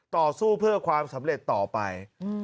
ต่อสู้เพื่อความสำเร็จต่อไป